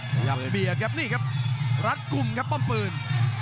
ขยับเบียดครับนี่ครับรัดกลุ่มครับป้อมปืน